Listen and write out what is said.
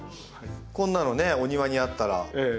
こんなのねお庭にあったら。